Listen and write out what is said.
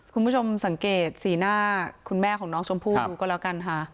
คุณผู้ชมสังเกตสีหน้าคุณแม่ของน้องชมพู่ดูก็แล้วกันค่ะ